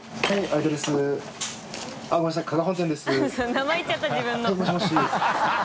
名前言っちゃった自分の